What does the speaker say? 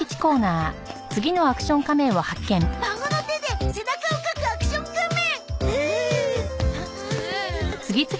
「孫の手で背中をかくアクション仮面」。